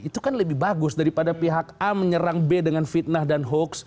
itu kan lebih bagus daripada pihak a menyerang b dengan fitnah dan hoax